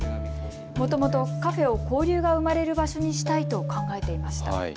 もともとカフェを交流が生まれる場所にしたいと考えていました。